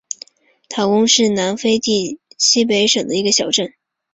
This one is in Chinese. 塔翁是南非西北省的一个小镇。